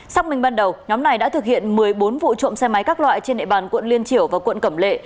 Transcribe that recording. xác minh ban đầu nhóm này đã thực hiện một mươi bốn vụ trộm xe máy các loại trên địa bàn quận liên triểu và quận cẩm lệ